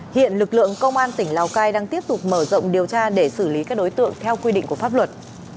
hiện lực lượng công an tỉnh lào cai đang tiếp tục mở rộng điều tra để xử lý các đối tượng theo quy định của pháp luật